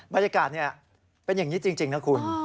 บรรยากาศเป็นอย่างนี้จริงนะคุณ